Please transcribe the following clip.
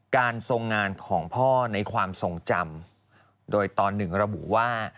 การทรงงานของพ่อในความทรงจำโดยตอนหนึ่งระบุว่า